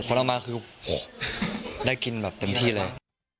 พอเรามาคือได้กินแบบเต็มที่เลย